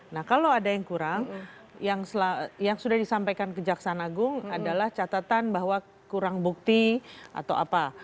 nah kalau ada yang kurang yang sudah disampaikan ke jaksan agung adalah catatan bahwa kurang bukti atau apa